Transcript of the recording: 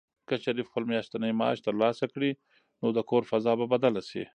که شریف خپل میاشتنی معاش ترلاسه کړي، نو د کور فضا به بدله شي.